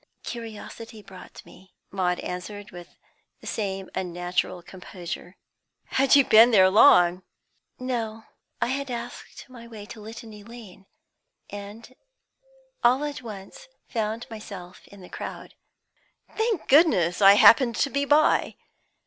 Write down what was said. "Curiosity brought me," Maud answered, with the same unnatural composure. "Had you been there long?" "No; I had asked my way to Litany Lane, and all at once found myself in the crowd." "Thank goodness I happened to be by!